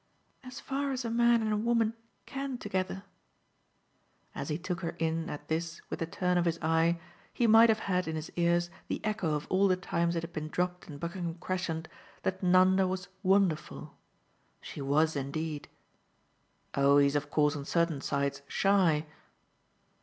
"As far as a man and a woman can together." As he took her in at this with a turn of his eye he might have had in his ears the echo of all the times it had been dropped in Buckingham Crescent that Nanda was "wonderful." She WAS indeed. "Oh he's of course on certain sides shy."